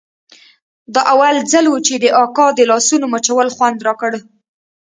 دا اول ځل و چې د اکا د لاسونو مچول خوند راکړ.